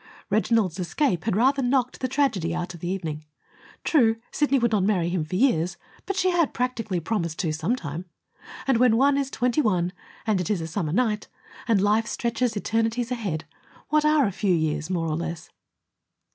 Reginald's escape had rather knocked the tragedy out of the evening. True, Sidney would not marry him for years, but she had practically promised to sometime. And when one is twenty one, and it is a summer night, and life stretches eternities ahead, what are a few years more or less?